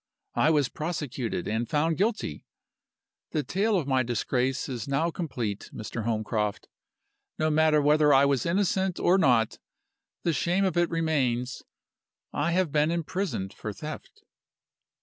I was prosecuted, and found guilty. The tale of my disgrace is now complete, Mr. Holmcroft. No matter whether I was innocent or not, the shame of it remains I have been imprisoned for theft.